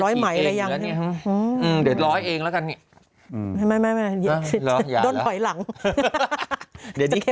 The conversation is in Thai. ยังไม่ได้